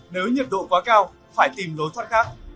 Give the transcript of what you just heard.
nếu nhiệt độ quá cao phải tìm lối thoát khác